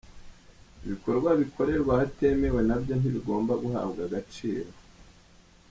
Ibikorwa bikorerwa ahatemewe na byo ntibigomba guhabwa agaciro.